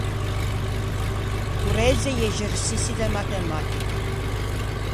Correze i exerçiçi de matematica.